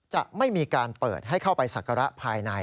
จะไม่มีการเปิดให้เข้าไปศักระภายใน